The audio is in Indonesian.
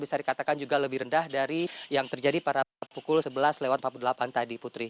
bisa dikatakan juga lebih rendah dari yang terjadi pada pukul sebelas lewat empat puluh delapan tadi putri